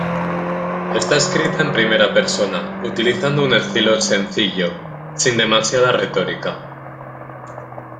Está escrita en primera persona, utilizando un estilo sencillo, sin demasiada retórica.